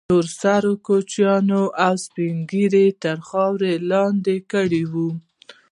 تور سرې كوچنيان او سپين ږيري يې تر خاورو لاندې كړي وو.